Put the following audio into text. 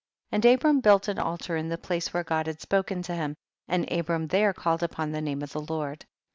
8. And Abram built an altar in the place where God had spoken to him, and Abram there called upon the name of the Lord.